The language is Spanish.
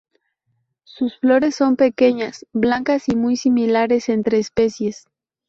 Sus flores son pequeñas, blancas y muy similares entre especies.